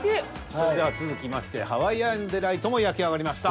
それでは続きましてハワイアンデライトも焼き上がりました。